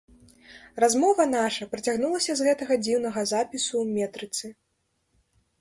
Размова наша працягнулася з гэтага дзіўнага запісу ў метрыцы.